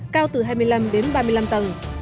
cao từ hai mươi năm đến ba mươi năm tầng